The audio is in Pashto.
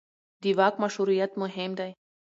د واک مشروعیت مهم دی